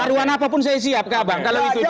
taruhan apapun saya siap kak bang